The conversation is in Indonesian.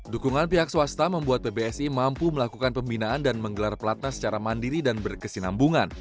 dukungan pihak swasta membuat pbsi mampu melakukan pembinaan dan menggelar pelatna secara mandiri dan berkesinambungan